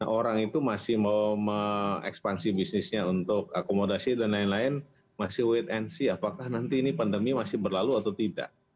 orang itu masih mau mengekspansi bisnisnya untuk akomodasi dan lain lain masih wait and see apakah nanti ini pandemi masih berlalu atau tidak